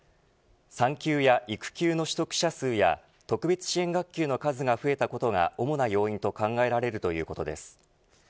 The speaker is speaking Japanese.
産休や育休の取得者数や特別支援学級の数が増えたことが主な要因と考えられるということです。